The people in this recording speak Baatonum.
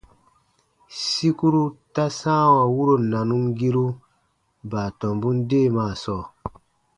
Sikuru ta sãawa wuro nanumgiru baatɔmbun deemaa sɔɔ.